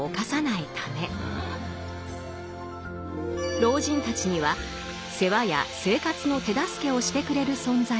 老人たちには世話や生活の手助けをしてくれる存在が友人なのだと。